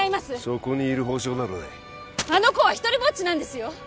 そこにいる保証などないあの子はひとりぼっちなんですよ！